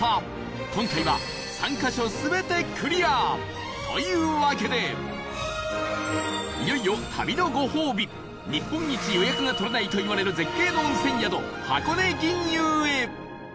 今回は、３カ所全てクリア！というわけでいよいよ、旅のご褒美日本一予約が取れないといわれる絶景の温泉宿、箱根吟遊へ！